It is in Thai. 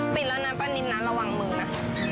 ปิดแล้วนะป้านิดนะระวังมือนะคะ